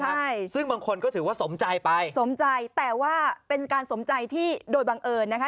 ใช่ซึ่งบางคนก็ถือว่าสมใจไปสมใจแต่ว่าเป็นการสมใจที่โดยบังเอิญนะคะ